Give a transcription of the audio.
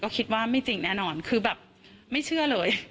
ก็คิดว่าไม่จริงแน่นอนคือแบบไม่เชื่อเลย